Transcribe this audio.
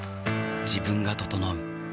自分が整う。